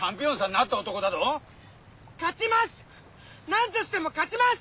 なんとしても勝ちます！